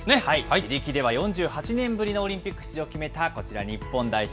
自力では４８年ぶりにオリンピック出場を決めたこちら、日本代表。